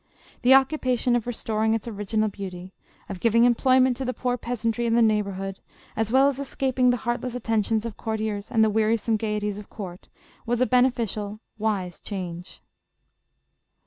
The occupation of restoring its original beauty, of giving employment to the poor peasantry in the neighborhood, as well as escaping the heartless attentions of courtiers and the wearisome gayeties of court, was a beneficial, wise change.